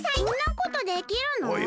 そんなことできるの？